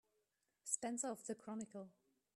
Spencer of the Chronicle.